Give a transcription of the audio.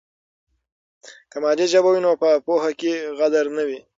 که مادي ژبه وي نو په پوهه کې غدر نه وي.